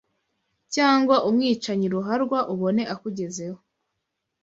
cyangwa umwicanyi ruharwa ubone akugezeho